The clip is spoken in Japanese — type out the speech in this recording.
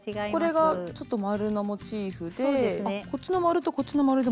これがちょっと円のモチーフであっこっちの円とこっちの円でも違います。